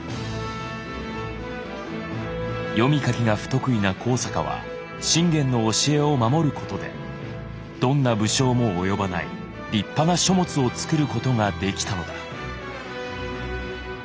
読み書きが不得意な高坂は信玄の教えを守ることでどんな武将も及ばない立派な書物を作ることができたのだ。